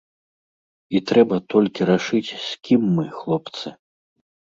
І трэба толькі рашыць, з кім мы, хлопцы.